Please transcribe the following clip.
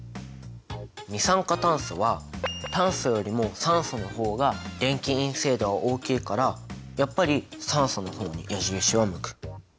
二酸化炭素は炭素よりも酸素の方が電気陰性度が大きいからやっぱり酸素の方に矢印は向く。